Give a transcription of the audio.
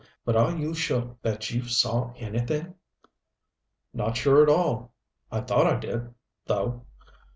But are you sure you saw anything?" "Not sure at all. I thought I did, though.